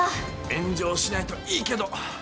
炎上しないといいけど。